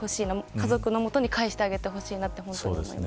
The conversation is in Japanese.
家族の元に返してあげてほしいと思います。